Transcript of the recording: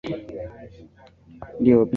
Ndio picha ya Obama na Bush wakiwa